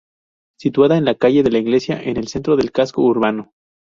Situada en la Calle de la Iglesia, en el centro del casco urbano.